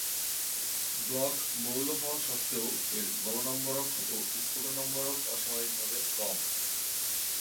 Block মৌল হওয়া সত্ত্বেও এর গলনম্বরক ও স্ফুটনম্বরক অস্বাভাবিকভাবে কম।